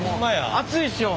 暑いでしょ？